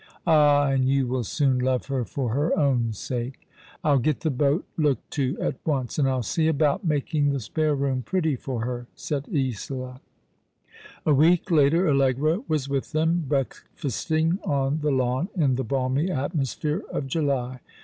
*' Ah, and you will soon love her for her own sake." "I'll get the boat looked to at once, and I'll see about making the spare room pretty for her/' said Isola. My Frolic Falcon, with Bright Eyes. 105 A week later Allegra was with them, breakfasting on the lawn in the balmy atmosphere of July.